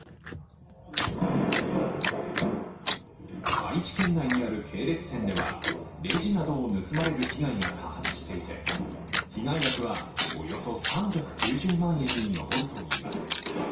愛知県内にある系列店ではレジなどを盗まれる被害が多発していて被害額はおよそ３９０万円に上るといいます。